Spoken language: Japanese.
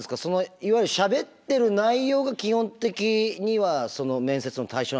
いわゆるしゃべってる内容が基本的には面接の対象なんですか？